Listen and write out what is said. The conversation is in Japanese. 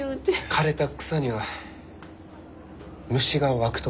枯れた草には虫がわくと。